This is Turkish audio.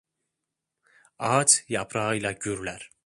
Ağaç yaprağıyla gürler.